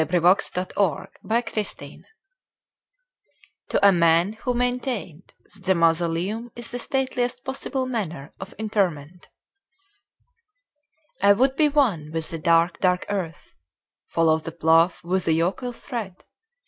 The Traveller heart (To a Man who maintained that the Mausoleum is the Stateliest Possible Manner of Interment) I would be one with the dark, dark earth:— Follow the plough with a yokel tread.